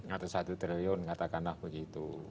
atau satu triliun katakanlah begitu